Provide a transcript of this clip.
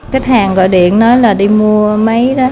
khách hàng gọi điện nói là đi mua máy đó